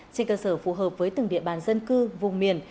trên cơ sở phù hợp với từng địa bàn dân cư vùng miền